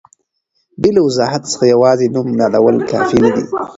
بې له وضاحت څخه یوازي نوم یادول کافي نه دي.